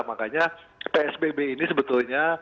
makanya psbb ini sebetulnya